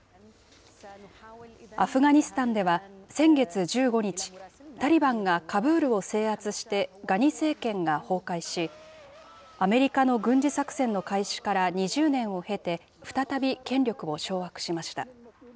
アフガニスタンでは先月１５日、タリバンがカブールを制圧してガニ政権が崩壊し、アメリカの軍事作戦の開始から２０年を経て、再び権力を掌握しました。